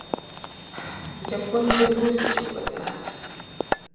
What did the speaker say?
Japuonj dholuo osechopo e klas